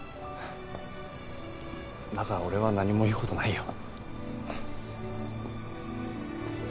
だから俺は何も言う事ないよ。